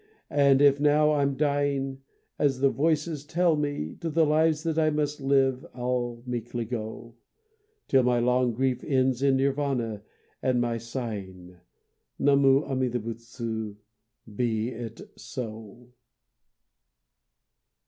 And if now I'm dying As the voices tell me, To the lives that I must live I'll meekly go; Till my long grief ends In Nirvana, and my sighing. Namu Amida Butsu, be it so!